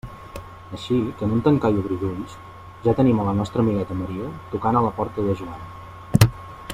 Així que, en un tancar i obrir d'ulls, ja tenim a la nostra amigueta Maria tocant a la porta de Joan.